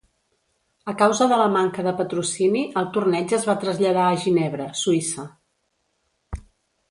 A causa de la manca de patrocini, el torneig es va traslladar a Ginebra, Suïssa.